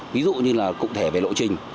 ví dụ như là cụ thể về lộ trình